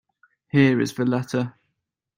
Here is the letter.